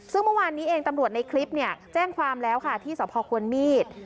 ซึ่งเมื่อวานนี้เองตำรวจในคลิปเนี่ยแจ้งความแล้วค่ะที่สพควรมีด